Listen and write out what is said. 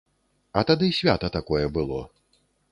А тады свята такое было.